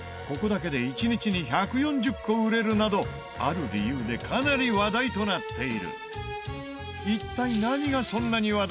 ここだけで１日に１４０個売れるなどある理由でかなり話題となっている。